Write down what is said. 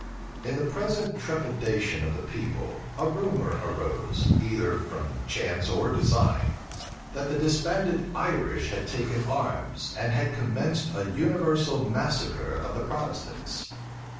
In the present trepidation of the people, a rumor arose, either from chance or design, that the disbanded Irish had taken arms, and had commenced a universal massacre of the Protestants.